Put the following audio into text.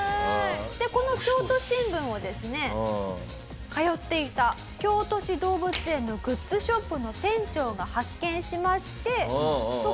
でこの『京都新聞』をですね通っていた京都市動物園のグッズショップの店長が発見しまして。